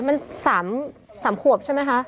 มัน๓ขวบใช่ไหมคะ